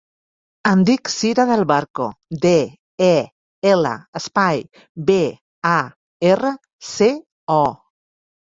Em dic Sira Del Barco: de, e, ela, espai, be, a, erra, ce, o.